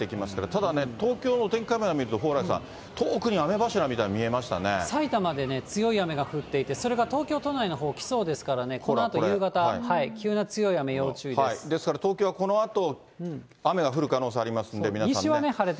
多田ね、東京のお天気カメラ見ると、蓬莱さん、遠くに雨柱みたい埼玉で強い雨が降っていて、それが東京都内のほう来そうですからね、このあと夕方、急な強いですから東京はこのあと、雨が降る可能性ありますんで、皆さんね。